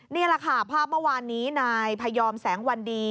นี่แหละค่ะภาพเมื่อวานนี้นายพยอมแสงวันดี